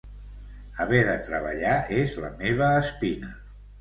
Haver de treballar és la meva espina.